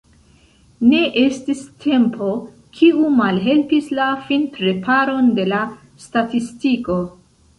Ne estis "tempo", kiu malhelpis la finpreparon de la statistiko.